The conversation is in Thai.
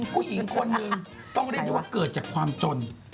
ผู้หญิงคนนึงต้องเรียกได้ว่าเกิดจากความจน